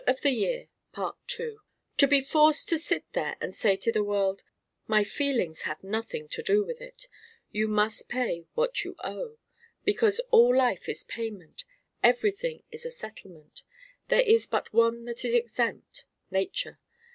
To be forced to sit there and say to the world: My feelings have nothing to do with it: you must pay what you owe! Because all life is payment; everything is a settlement. There is but one that is exempt Nature.